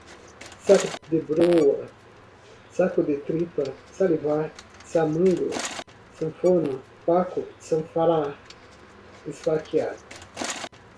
saco de broa, saco de tripa, salivar, samango, sanfona, paco, sanfrar, esfaquear